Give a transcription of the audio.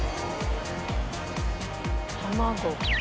卵。